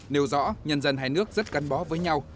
nêu rõ nhân dân hai nước rất gắn bó với nhau